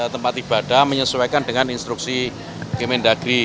tempat ibadah menyesuaikan dengan instruksi kemendagri